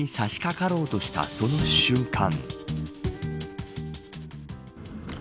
かかろうとしたその瞬間。